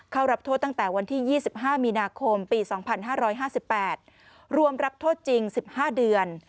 เข้ารับโทษตั้งแต่วันที่๒๕มีนาคมปี๒๕๕๘รวมรับโทษจริง๑๕เดือน